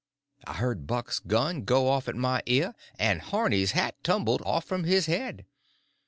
I heard Buck's gun go off at my ear, and Harney's hat tumbled off from his head.